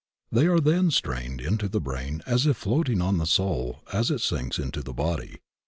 They are then strained into the brain as if floating on the soul as it sinks into the body.